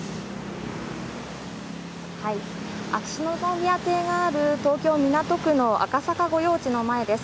秋篠宮邸がある東京・港区の赤坂御用地の前です。